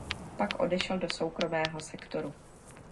Pak odešel do soukromého sektoru.